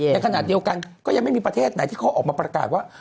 ในขณะเดียวกันก็ยังไม่มีประเทศไหนที่เขาออกมาประกาศว่า